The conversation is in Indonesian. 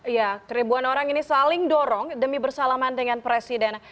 ya keribuan orang ini saling dorong demi bersalaman dengan presiden